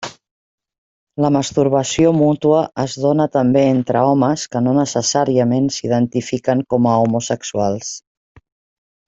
La masturbació mútua es dóna també entre homes que no necessàriament s'identifiquen com a homosexuals.